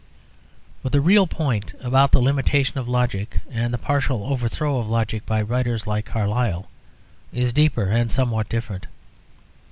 But the real point about the limitation of logic and the partial overthrow of logic by writers like Carlyle is deeper and somewhat different.